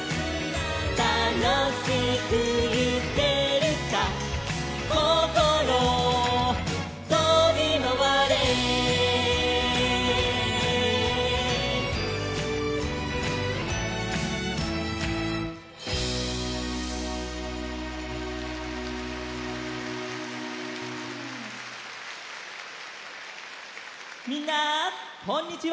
「たのしくいけるさ」「こころとびまわれ」みんなこんにちは！